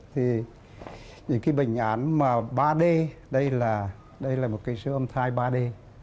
thì những cái bệnh án mà ba d đây là một cái siêu âm thai ba d